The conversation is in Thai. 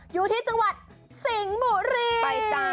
อยู่ที่จังหวัดสิงห์บุรี